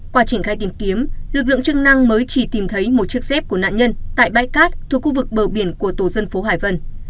qua triển khai tìm kiếm lực lượng chức năng mới chỉ tìm thấy một chiếc dép của nạn nhân tại bãi cát thuộc khu vực bờ biển của tổ dân phố hải vân